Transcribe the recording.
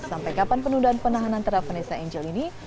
sampai kapan penundaan penahanan terhadap vanessa angel ini